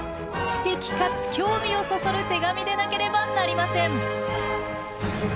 知的かつ興味をそそる手紙でなければなりません。